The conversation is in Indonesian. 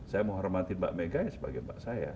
saya menghormati mbak mega ya sebagai mbak saya